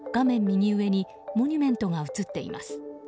右上にモニュメントが映っています。